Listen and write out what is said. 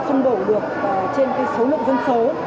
phân đổ được trên cái số lượng dân số